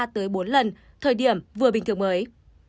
tới bốn lần thời điểm vừa bình thường mới